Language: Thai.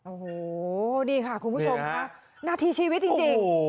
โอ้โหนี่ค่ะคุณผู้ชมค่ะหน้าที่ชีวิตจริง